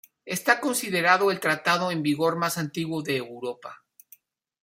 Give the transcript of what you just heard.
Está considerado el tratado en vigor más antiguo de Europa.